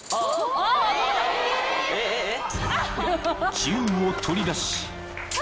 ［銃を取り出し］